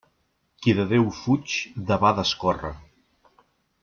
Qui de Déu fuig debades corre.